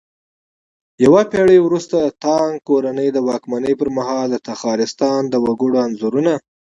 يوه پېړۍ وروسته د تانگ کورنۍ د واکمنۍ پرمهال د تخارستان د وگړو انځورونه